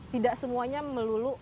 tidak semuanya melulu